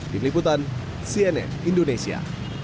di peliputan cnn indonesia